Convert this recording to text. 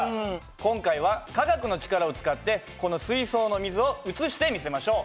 今回は科学の力を使ってこの水槽の水を移してみせましょう。